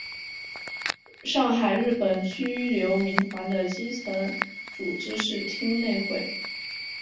上海日本居留民团的基层组织是町内会。